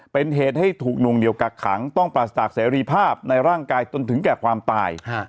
เป็นเหตุให้ถูกนวงเหนียวกักขังต้องปราศจากเสรีภาพในร่างกายจนถึงแก่ความตาย